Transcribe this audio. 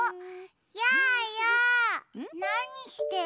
やーやなにしてるの？